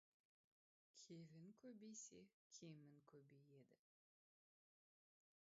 Келін көбейсе, кемің көбейеді.